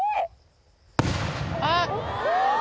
あっ！